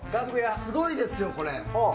すごいですよ、これ。